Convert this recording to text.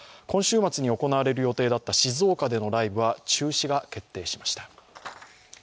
今週末に行われる予定だった静岡でのライブは中止が決定しました。